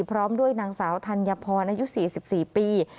พร้อมด้วยนางสาวธัญพรอายุ๔๔ปี